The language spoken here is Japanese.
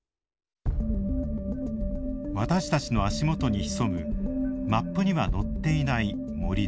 私たちの足元に潜むマップには載っていない盛土。